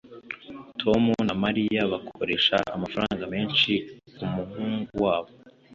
Tom na Mariya bakoresha amafaranga menshi kumuhungu wabo.